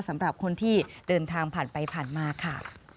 สำหรับคนที่เดินทางผ่านไปผ่านมาค่ะ